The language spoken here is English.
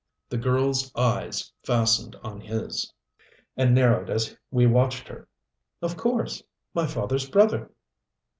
The girl's eyes fastened on his, and narrowed as we watched her. "Of course. My father's brother."